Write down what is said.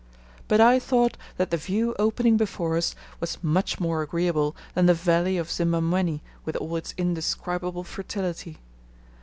But I thought that the view opening before us was much more agreeable than the valley of Simbamwenni with all its indescribable fertility.